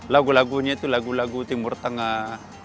lagu lagunya itu lagu lagu timur tengah